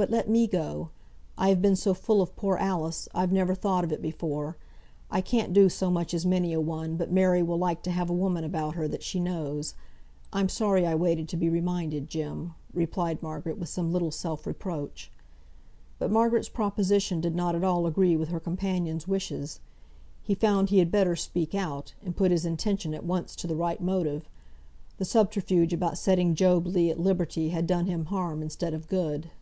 But let me go! I have been so full of poor Alice, I've never thought of it before; I can't do so much as many a one, but Mary will like to have a woman about her that she knows. I'm sorry I waited to be reminded, Jem." replied Margaret, with some little self reproach. But Margaret's proposition did not at all agree with her companion's wishes. He found he had better speak out, and put his intention at once to the right motive; the subterfuge about setting Job Legh at liberty had done him harm instead of good.